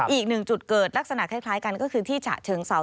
อีกหนึ่งจุดเกิดลักษณะคล้ายกันก็คือที่ฉะเชิงเซา